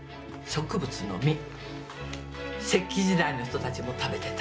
石器時代の人たちも食べてた。